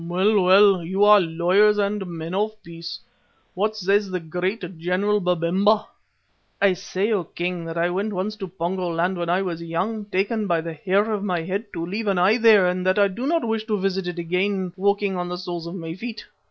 Well, well, you are lawyers and men of peace. What says the great general, Babemba?" "I say, O King, that I went once to Pongo land when I was young, taken by the hair of my head, to leave an eye there and that I do not wish to visit it again walking on the soles of my feet."